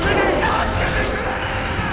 ・助けてくれーっ！！